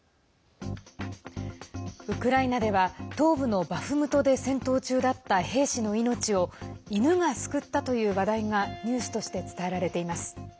ウクライナでは東部のバフムトで戦闘中だった兵士の命を犬が救ったという話題がニュースとして伝えられています。